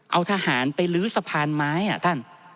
เอาทหารไปลื้อสะพานไม้